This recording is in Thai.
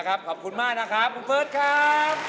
ขอบคุณมากนะครับคุณเฟิร์สครับ